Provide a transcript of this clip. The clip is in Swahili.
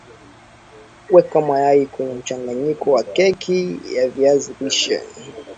weka mayai kwenye mchanganyiko wa keki ya viazi lishe